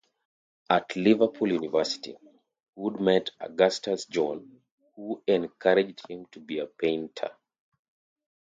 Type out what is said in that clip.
At Liverpool University, Wood met Augustus John, who encouraged him to be a painter.